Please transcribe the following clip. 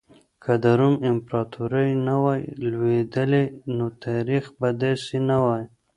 که د روم امپراطورۍ نه وای لوېدلې نو تاريخ به داسې نه وای.